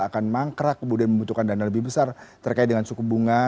akan mangkrak kemudian membutuhkan dana lebih besar terkait dengan suku bunga